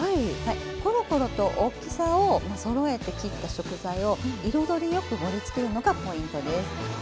コロコロと大きさをそろえて切った食材を彩りよく盛りつけるのがポイントです。